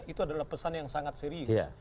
itu adalah pesan yang sangat serius